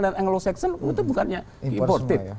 dan anglo saxon itu bukannya importer